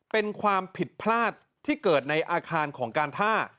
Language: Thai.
เป็นความผิดพลาดที่เกิดในอาคารของการท่า